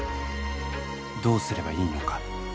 どうすればいいのか。